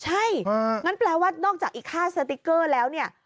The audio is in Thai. ใช่งั้นแปลว่านอกจากอีกค่าสติ๊กเกอร์แล้วเนี่ย